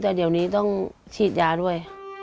แต่เดี๋ยวนี้ต้องฉีดยาด้วย